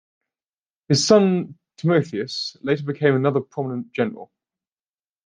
His son Timotheus later became another prominent general.